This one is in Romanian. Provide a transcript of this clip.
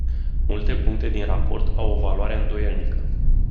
Multe puncte din raport au o valoare îndoielnică.